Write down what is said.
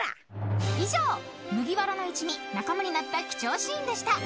［以上麦わらの一味仲間になった貴重シーンでした］